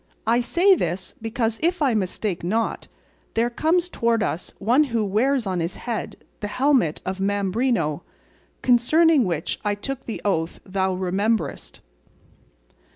I say this because, if I mistake not, there comes towards us one who wears on his head the helmet of Mambrino, concerning which I took the oath thou rememberest."